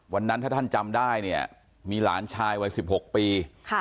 วันนั้นถ้าท่านจำได้เนี่ยมีหลานชายวัย๑๖ปี